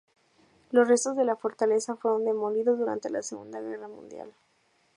Los restos de la fortaleza fueron demolidos durante la Segunda Guerra Mundial.